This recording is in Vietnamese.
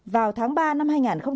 vào tháng ba năm hai nghìn một mươi sáu